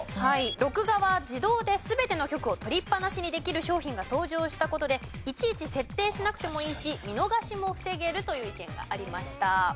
録画は自動で全ての局を撮りっぱなしにできる商品が登場した事でいちいち設定しなくてもいいし見逃しも防げるという意見がありました。